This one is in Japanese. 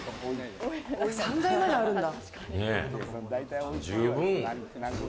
３階まであるんだ。